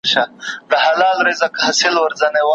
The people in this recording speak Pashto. په ځینو پوهنتونونو کي د لارښود ټاکلو پروسه ډېره اسانه ده.